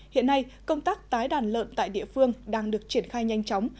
hiện nay công tác tái đàn lợn tại địa phương đang được triển khai nhanh chóng